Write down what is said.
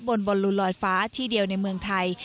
บนบอลลูลอยฟ้าที่เดียวในเมืองไทย